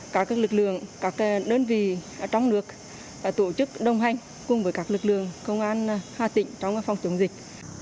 các lực lượng các đơn vị trong nước đã tổ chức đồng hành cùng với các lực lượng công an hà tĩnh trong phòng chống dịch